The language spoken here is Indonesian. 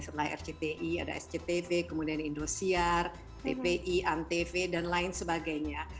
setelah rcti ada sctv kemudian indosiar tpi antv dan lain sebagainya